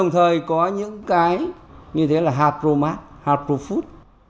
đồng thời có những cái như hà pro mart hà pro food